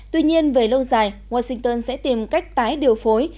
tuy nhiên về lâu dài washington sẽ tìm cách tái điều phối